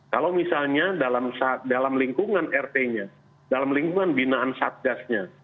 kalau misalnya dalam lingkungan rt nya dalam lingkungan binaan satgasnya